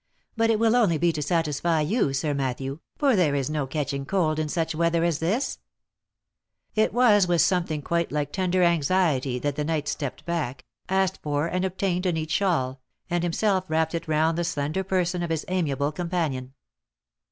" But it will only be to satisfy you, Sir Matthew, for there is no catching cold in such weather as this." 12 THE LIFE AND ADVENTURES It was with something quite like tender anxiety that the knight stepped back, asked for and obtained a neat shawl, and himself wrapped it round the slender person of his amiable companion.